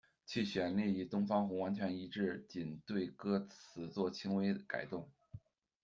其旋律与《东方红》完全一致，仅对歌词作轻微改动。